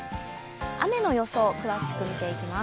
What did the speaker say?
雨の予想、詳しく見ていきます。